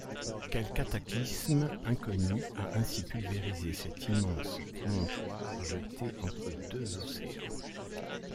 Quel cataclysme inconnu a ainsi pulvérisé cet immense promontoire jeté entre deux océans?